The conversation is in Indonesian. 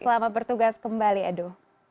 selamat bertugas kembali edo